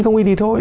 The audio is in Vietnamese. không in thì thôi